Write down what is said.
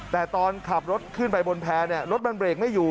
แต่ตอนขับรถขึ้นไปบนแพร่รถมันเบรกไม่อยู่